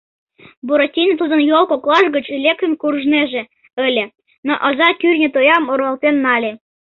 Буратино тудын йол коклаж гыч лектын куржнеже ыле, но оза кӱртньӧ тоям руалтен нале.